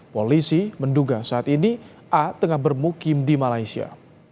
polisi menduga saat ini a tengah bermukim di malaysia